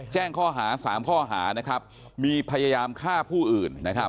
แจ้งข้อหา๓ข้อหามีพยายามฆ่าผู้อื่น